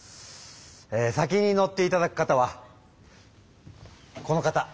え先に乗っていただく方はこの方。